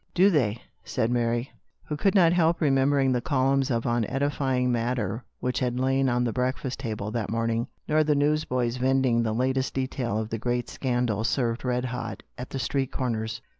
" Do they ?" said Mary, who could not help remembering the columns of unedifying matter which had lain on the breakfast table that morning, nor the newsboys vending the latest details of the great scandal, served red hot, at the street corners.